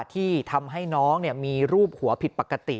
ที่ทำให้น้องมีรูปหัวผิดปกติ